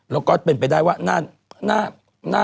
แล้วก็เป็นไปได้ว่า